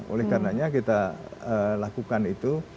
oleh karenanya kita lakukan itu